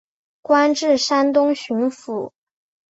官至山东巡抚。